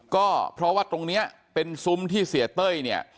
ก็เพราะว่าตรงนี้เป็นซุ้มที่เสียเต้ยเนี่ย